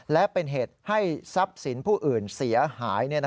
และเป็นเหตุให้ทรัพย์สินผู้อื่นเสียหาย